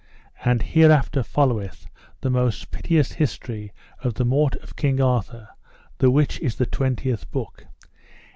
And hereafter followeth the most piteous history of the morte of King Arthur, the which is the twentieth book.